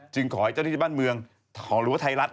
ขอให้เจ้าหน้าที่บ้านเมืองหรือว่าไทยรัฐ